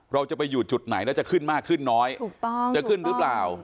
เราจะไปอยู่จุดไหนแล้วจะขึ้นมากขึ้นน้อยถูกต้องจะขึ้นหรือเปล่า